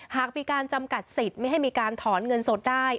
หากมีการจำกัดสิทธิ์ไม่ให้มีการถอนเงินสดได้